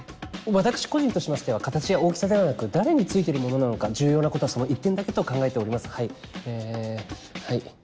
私個人としましては形や大きさではなく誰についてるものなのか重要なことはその一点だけと考えておりますはいえはい。